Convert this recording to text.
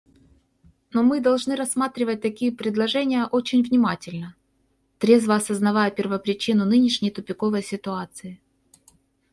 Но мы должны рассматривать такие предложения очень внимательно, трезво осознавая первопричину нынешней тупиковой ситуации.